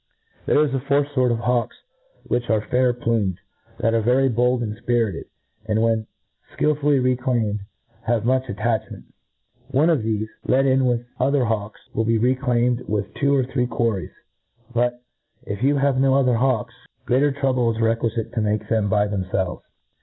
There is a fourth fqrt of ha^frks, which ^c fair plumed, that are very bold and fpiritcd, and, when fldlfuUy reclamed, have" much at tachment. One of thefc, let in with other hawks, will be reclaimed with two or thr?c cjuarries ; but, if you have no other hawks, greater trouble is requifitc to make them by themfelveg.